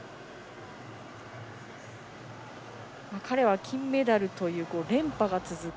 彼は金メダルという連覇が続く